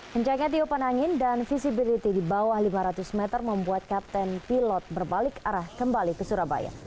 kencangnya tiupan angin dan visibility di bawah lima ratus meter membuat kapten pilot berbalik arah kembali ke surabaya